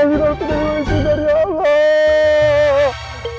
wadidudar ya allah